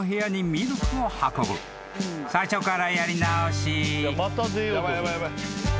［最初からやり直し］